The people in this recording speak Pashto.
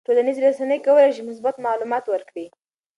ټولنیزې رسنۍ کولی شي مثبت معلومات ورکړي.